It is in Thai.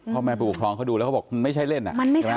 พ่อแม่ผู้ปกครองเขาดูแล้วเขาบอกมันไม่ใช่เล่นอ่ะ